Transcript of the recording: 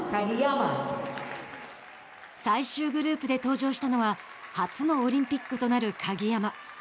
最終グループで登場したのは初のオリンピックとなる鍵山。